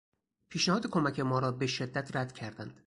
پیشنهاد کمک ما را به شدت رد کردند.